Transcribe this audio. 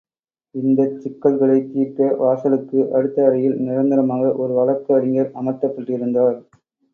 இந்தச் சிக்கல்களைத் தீர்க்க வாசலுக்கு அடுத்த அறையில் நிரந்தரமாக ஒரு வழக்கு அறிஞர் அமர்த்தப்பட் டிருந்தார்.